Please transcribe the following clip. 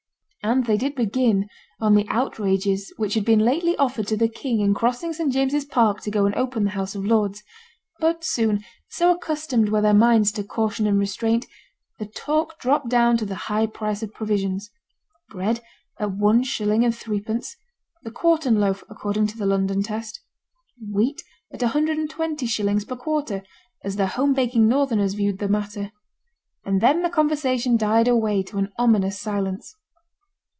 And they did begin on the outrages which had been lately offered to the king in crossing St James's Park to go and open the House of Lords; but soon, so accustomed were their minds to caution and restraint, the talk dropped down to the high price of provisions. Bread at 1_s_. 3_d_. the quartern loaf, according to the London test. Wheat at 120_s_. per quarter, as the home baking northerners viewed the matter; and then the conversation died away to an ominous silence.